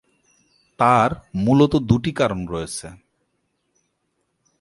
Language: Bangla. তার মূলত দুটি কারণ রয়েছে।